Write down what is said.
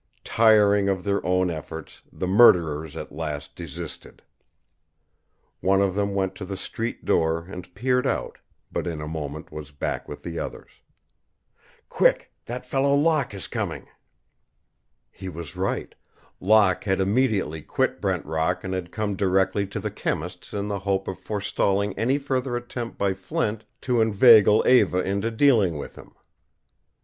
Tiring of their own efforts, the murderers at last desisted. One of them went to the street door and peered out, but in a moment was back with the others. "Quick that fellow Locke is coming." He was right. Locke had immediately quit Brent Rock and had come directly to the chemist's in the hope of forestalling any further attempt by Flint to inveigle Eva into dealing with him.